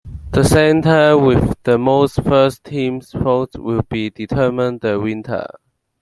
The center with the most first-team votes will be determined the winner.